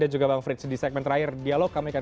dan juga bang frits di segmen terakhir dialog kami akan